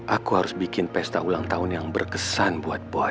aku harus bikin pesta ulang tahun yang berkesan buat puan